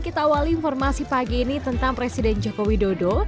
kita awali informasi pagi ini tentang presiden joko widodo